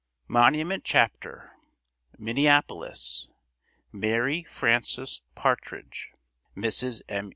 MONUMENT CHAPTER Minneapolis MARY FRANCES PARTRIDGE (Mrs. M.